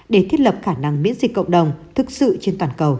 để thiết lập khả năng miễn dịch cộng đồng thực sự trên toàn cầu